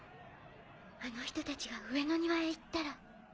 あの人たちが上の庭へ行ったら。